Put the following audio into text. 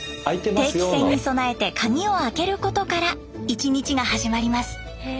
定期船に備えて鍵を開けることから１日が始まります。